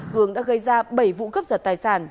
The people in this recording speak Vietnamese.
cường đã gây ra bảy vụ cấp giật tài sản